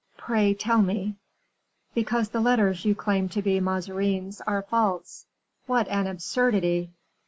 "Pray tell me." "Because the letters you claim to be Mazarin's are false." "What an absurdity."